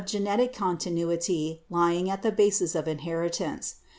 genetic continuity lying at the basis of inheritance.